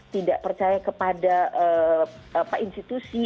tidak percaya kepada institusi